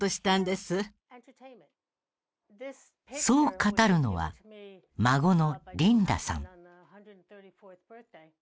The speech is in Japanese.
そう語るのは孫のリンダさん。